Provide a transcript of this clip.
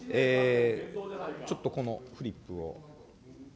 ちょっとこのフリップを。